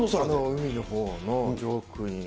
海のほうの上空に。